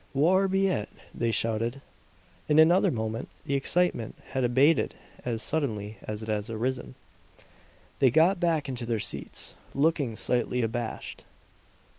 "War be it!" they shouted. In another moment the excitement had abated as suddenly as it had arisen. They got back into their seats, looking slightly abashed.